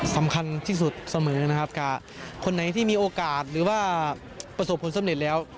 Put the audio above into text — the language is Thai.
สำคัญที่สุดเสมอนะครับกับคนไหนที่มีโอกาสหรือว่าประสบผลสำเร็จแล้ว